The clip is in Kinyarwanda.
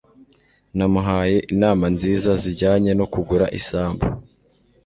Namuhaye inama nziza zijyanye no kugura isambu.